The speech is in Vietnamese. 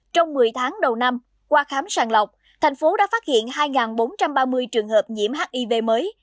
trong một mươi tháng đầu năm qua khám sàng lọc thành phố đã phát hiện hai bốn trăm ba mươi trường hợp nhiễm hiv mới